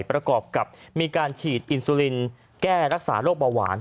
ประกอบกับมีการฉีดอินซูลินแก้รักษาโรคเบาหวาน